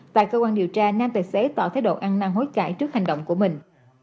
tại cơ quan điều tra nam tài xế tỏ thái độ ăn năng hối cãi trước hành động của mình